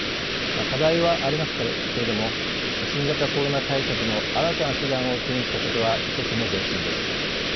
課題はありますけれども新型コロナ対策の新たな手段を手にしたことは１つの前進です。